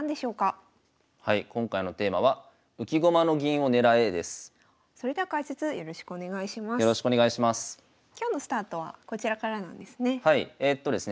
今日のスタートはこちらからなんですね。